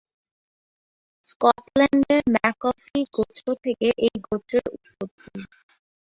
স্কটল্যান্ডের ম্যাকফি গোত্র থেকে এই গোত্রের উৎপত্তি।